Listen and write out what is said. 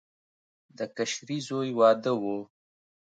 د کشري زوی واده و.